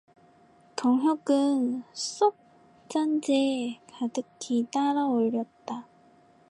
동혁은 석 잔째 가득히 따라 올렸다.